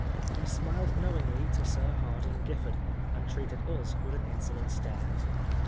He smiled knowingly to Sir Hardinge Giffard, and treated ns with an insolent stare.